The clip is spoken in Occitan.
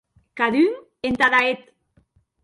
Cadun entada eth.